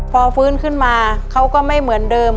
พอฟื้นขึ้นมาเขาก็ไม่เหมือนเดิม